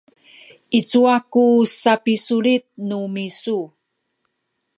i cuwa ku sapisulit nu misu?